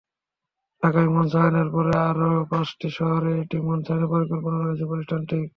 ঢাকায় মঞ্চায়নের পরে আরও পাঁচটি শহরে এটি মঞ্চায়নের পরিকল্পনা রয়েছে প্রতিষ্ঠানটির।